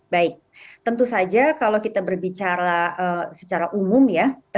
baik tentu saja kalau kita berbicara secara umum ya